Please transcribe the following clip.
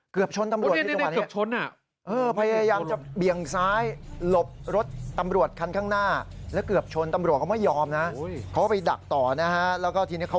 เกือบช้นตำรวจเพียงคุณข้างหรูนี้นี่นี่